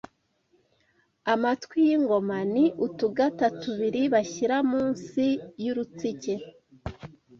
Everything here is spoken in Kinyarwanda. Amatwi y’Ingoma :ni utugata tubiri, bashyira munsi y’urutsike